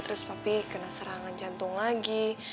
terus tapi kena serangan jantung lagi